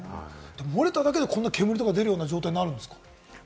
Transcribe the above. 漏れただけでこんな煙とか出るような状態になるんですか？